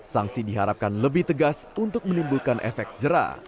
sanksi diharapkan lebih tegas untuk menimbulkan efek jerah